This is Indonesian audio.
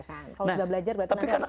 kalau sudah belajar buat nanti harus kembali